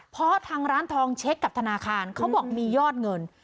เพราะทางร้านทองเช็คกับธนาคารเขาบอกมียอดเงิน